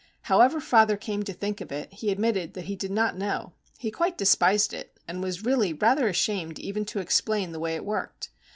How ever father came to think of it, he admitted that he did not know. He quite despised it, and was really rather ashamed even to explain the way it worked.